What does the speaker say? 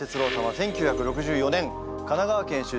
１９６４年神奈川県出身。